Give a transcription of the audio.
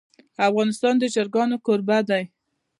افغانستان د چرګان کوربه دی.